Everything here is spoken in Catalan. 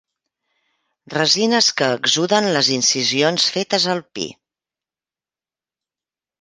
Resines que exsuden les incisions fetes al pi.